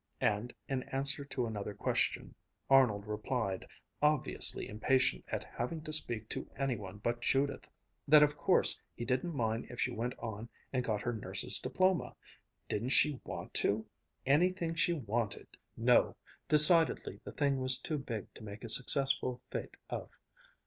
And in answer to another question, Arnold replied, obviously impatient at having to speak to any one but Judith, that of course he didn't mind if she went on and got her nurse's diploma didn't she want to? Anything she wanted.... No decidedly the thing was too big to make a successful fête of.